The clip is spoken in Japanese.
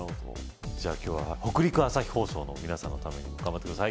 じゃあ今日は北陸朝日放送の皆さんのために頑張ってください